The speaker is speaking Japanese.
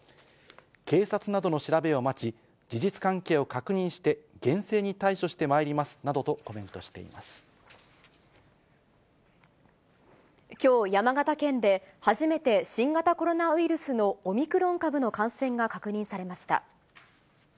警察などの調べを待ち、事実関係を確認して、厳正に対処してまいきょう、山形県で初めて新型コロナウイルスのオミクロン株の感染が確認されました。